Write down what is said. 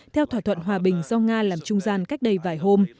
theo thỏa thuận hòa bình do nga làm trung gian cách đây vài hôm